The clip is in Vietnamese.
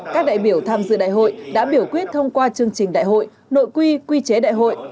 các đại biểu tham dự đại hội đã biểu quyết thông qua chương trình đại hội nội quy quy chế đại hội